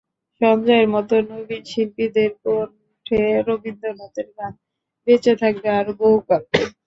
সঞ্জয়ের মতো নবীন শিল্পীদের কণ্ঠে রবীন্দ্রনাথের গান বেঁচে থাকবে আরও বহুকাল।